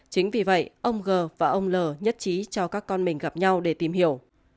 chính vì vậy ông g và ông l nhất trí cho các con mình gặp nhau để tìm hiểu